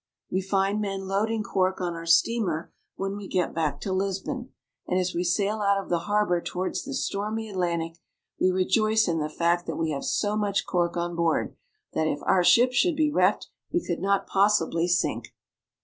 We find men loading cork on our steamer when we get back to Lisbon, and as we sail out of the harbor towards the stormy Atlantic we rejoice in the fact that we have so 452 PORTUGAL. much cork on board that, if our ship should be wrecked, we could not possibly sink.